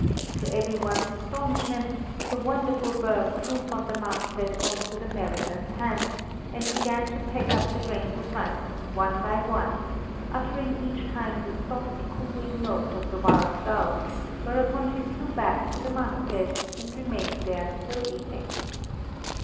to every one's astonishment, the wonderful bird flew from the masthead on to the mariner's hand, and began to peck up the grains of rice one by one, uttering each time the soft cooing note of the wild dove, whereupon she flew back to the masthead, and remained there till evening.